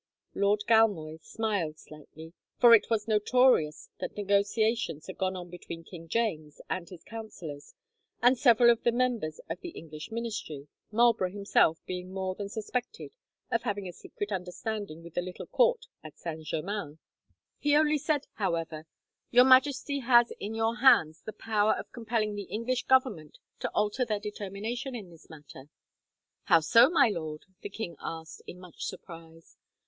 Lord Galmoy smiled slightly, for it was notorious that negotiations had gone on between King James and his councillors, and several of the members of the English Ministry, Marlborough himself being more than suspected of having a secret understanding with the little court at Saint Germain. He only said, however, "Your Majesty has in your hands the power of compelling the English Government to alter their determination in this matter." "How so, my lord?" the king asked, in much surprise.